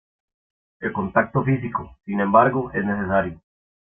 El contacto físico, sin embargo, es necesario.